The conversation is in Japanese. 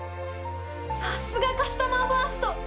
さすがカスタマーファースト！